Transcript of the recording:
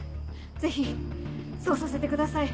ぜひそうさせてください。